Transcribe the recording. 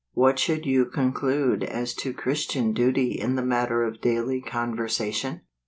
What should you conclude as to Christian duty in the matter of daily con¬ versation